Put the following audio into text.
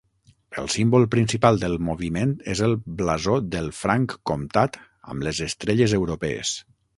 El símbol principal del moviment és el blasó del Franc comtat amb les estrelles europees.